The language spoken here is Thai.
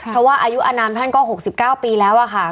เพราะว่าอายุอนามท่านก็๖๙ปีแล้วอะค่ะ